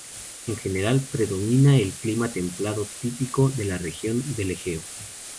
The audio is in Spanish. En general, predomina el clima templado típico de la región del Egeo.